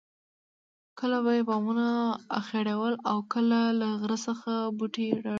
کله به یې بامونه اخیړول او کله له غره څخه بوټي راوړل.